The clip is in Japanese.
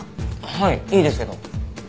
はいいいですけど。